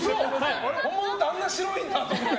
本物ってあんな白いんだって思って。